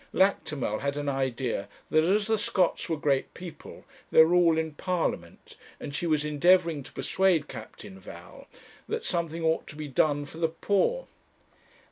Lactimel had an idea that as the Scotts were great people, they were all in Parliament, and she was endeavouring to persuade Captain Val that something ought to be done for the poor.